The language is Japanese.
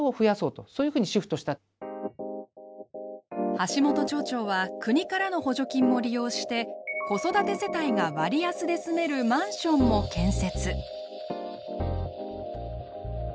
橋本町長は国からの補助金も利用して子育て世帯が割安で住めるマンションも建設。